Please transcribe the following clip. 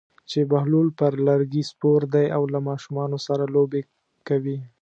چې بهلول پر لرګي سپور دی او له ماشومانو سره لوبې کوي.